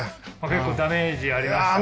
結構ダメージありましたか？